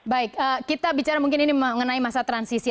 baik kita bicara mungkin ini mengenai masa transisi